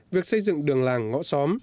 việc xây dựng đường làng ngõ xóm